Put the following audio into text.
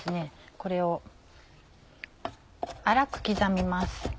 これを粗く刻みます。